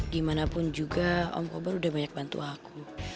dimanapun juga om kobar udah banyak bantu aku